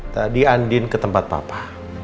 tadi andin ke tempat papa